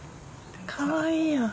かわいいやん。